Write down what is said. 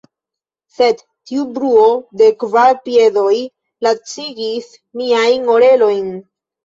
Sed tiu bruo de kvar piedoj lacigis miajn orelojn.